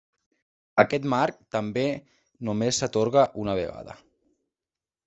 Aquest marc també només s'atorga una vegada.